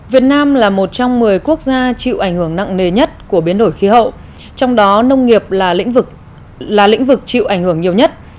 việt nam là một trong một mươi quốc gia chịu ảnh hưởng nặng nề nhất của biến đổi khí hậu trong đó nông nghiệp là lĩnh vực là lĩnh vực chịu ảnh hưởng nhiều nhất